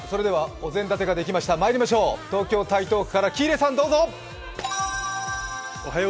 それではお膳立てができました、まいりましょう、東京・台東区から喜入さん、どうぞ。